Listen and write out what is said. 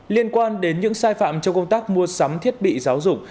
liên quan đến những sai phạm trong công tác mua sắm thiết bị giáo dục